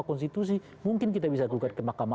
konstitusi mungkin kita bisa ke makam